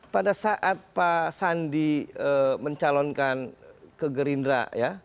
pada saat pak sandi mencalonkan ke gerindra ya